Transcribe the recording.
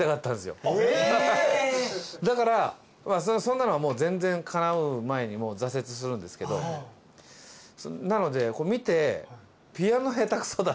だからそんなのは全然かなう前に挫折するんですけどなので見て。